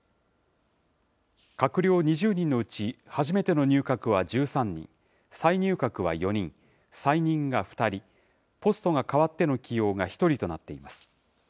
閣僚２０人のうち初めての入閣は１３人、再入閣は４人、再任が２人、ポストが変わっての起用が１人となっています。